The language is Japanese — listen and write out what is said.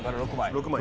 ６枚。